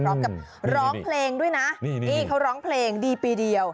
ร้องกับร้องเพลงด้วยนะนี่เขาร้องเพลงดีปีเดียว